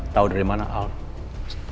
tahu dari mana alda